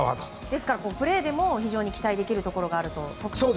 ですからプレーでも非常に期待できるところがあると。